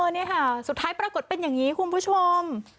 นี่ค่ะสุดท้ายปรากฏเป็นอย่างนี้คุณผู้ชม